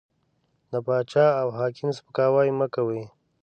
د باچا او حاکم سپکاوی مه کوئ!